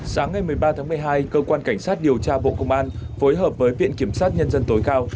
sáng ngày một mươi ba tháng một mươi hai cơ quan cảnh sát điều tra bộ công an phối hợp với viện kiểm sát nhân dân tối cao